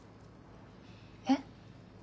えっ？